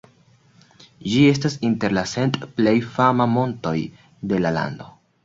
Ĝi estas inter la cent plej famaj montoj de la lando.